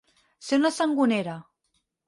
Ser una sangonera.